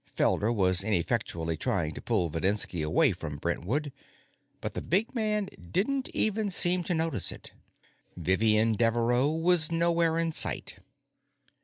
Felder was ineffectually trying to pull Videnski away from Brentwood, but the big man didn't even seem to notice it. Vivian Devereaux was nowhere in sight.